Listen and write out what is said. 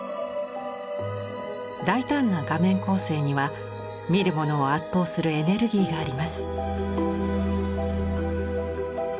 大胆な画面構成には見る者を圧倒するエネルギーがあります。